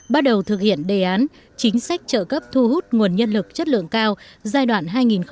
bắt đầu thực hiện đề án chính sách trợ cấp thu hút nguồn nhân lực chất lượng cao giai đoạn